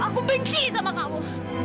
aku benci sama kamu